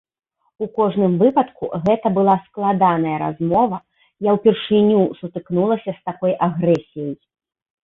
У кожным выпадку, гэта была складаная размова, я ўпершыню сутыкнулася з такой агрэсіяй.